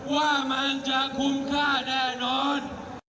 ว่ามันจะคุ้มค่าแน่นอน